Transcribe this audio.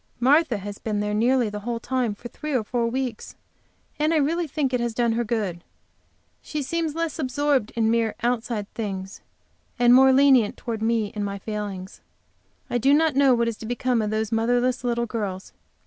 Martha has been there nearly the whole time for three or four weeks, and I really think it has done her good. She seems less absorbed in mere outside things, and more lenient toward me and my failings. I do not know what is to become of those motherless little girls.